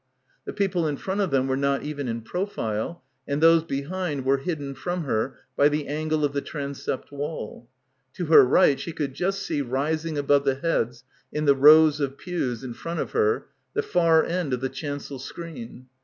The people in front of them were not even in profile, and those behind were hidden from her by the angle of the tran sept wall. To her right she could just see rising above the heads in the rows of pews in front of her the far end of the chancel screen.